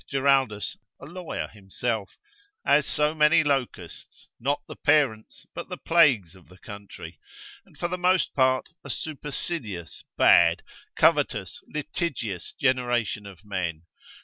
Geraldus, a lawyer himself,) as so many locusts, not the parents, but the plagues of the country, and for the most part a supercilious, bad, covetous, litigious generation of men.